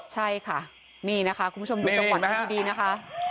ใช่ค่ะนี่นะคะคุณผู้ชมดูจังหวะนี้ดีนะคะ